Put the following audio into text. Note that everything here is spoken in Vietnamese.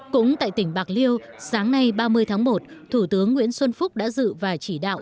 cũng tại tỉnh bạc liêu sáng nay ba mươi tháng một thủ tướng nguyễn xuân phúc đã dự và chỉ đạo